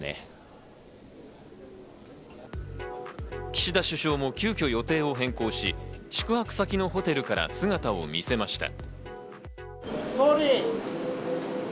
岸田首相も急遽予定を変更し、宿泊先のホテルから姿を見せました。